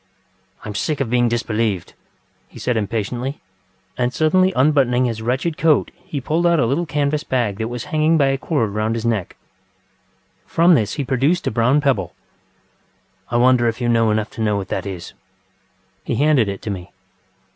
ŌĆØ ŌĆ£I am sick of being disbelieved, ŌĆØ he said impatiently, and suddenly unbuttoning his wretched coat he pulled out a little canvas bag that was hanging by a cord round his neck. From this he produced a brown pebble. ŌĆ£I wonder if you know enough to know what that is? ŌĆØ He handed it to me.